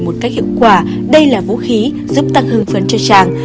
để một cách hiệu quả đây là vũ khí giúp tăng hương phấn cho chàng